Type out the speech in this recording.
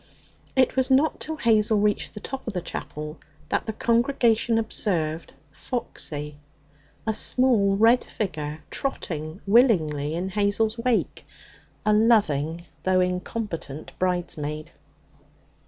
It was not till Hazel reached the top of the chapel that the congregation observed Foxy, a small red figure, trotting willingly in Hazel's wake a loving though incompetent bridesmaid.